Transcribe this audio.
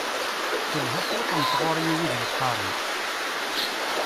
Telha cwiṭ n tɣuri i wid yeɣɣaren.